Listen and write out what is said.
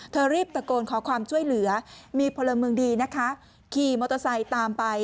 รีบตะโกนขอความช่วยเหลือมีพลเมืองดีนะคะขี่มอเตอร์ไซค์ตามไป